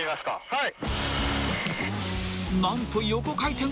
はい。